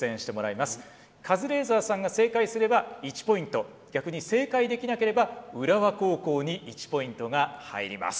カズレーザーさんが正解すれば１ポイント逆に正解できなければ浦和高校に１ポイントが入ります。